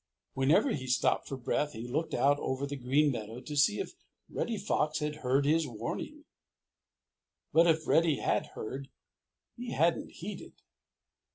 Whenever he stopped for breath, he looked out over the Green Meadows to see if Reddy Fox had heard his warning. But if Reddy had heard, he hadn't heeded.